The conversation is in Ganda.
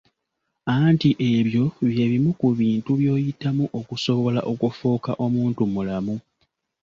Anti ebyo bye bimu ku bintu by'oyitamu okusobala okufuuka omuntu mulamu.